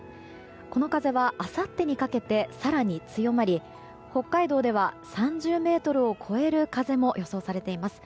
この風はあさってにかけて更に強まり北海道では３０メートルを超える風も予想されています。